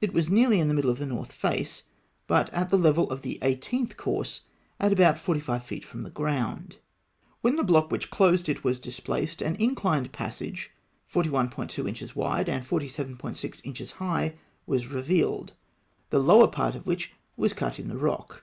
It was nearly in the middle of the north face (fig. 136), but at the level of the eighteenth course, at about forty five feet from the ground. When the block which closed it was displaced, an inclined passage, 41.2 inches wide and 47.6 inches high, was revealed, the lower part of which was cut in the rock.